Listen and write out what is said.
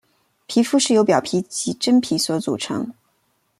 皮肤是由表皮及真皮所组成。